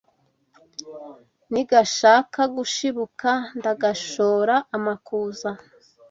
Nigashaka gushibuka Ndagashora amakuza